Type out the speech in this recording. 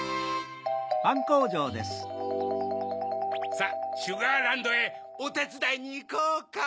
さぁシュガーランドへおてつだいにいこうか。